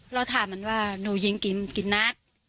เราถามมันว่าหนูยิงกี่นัด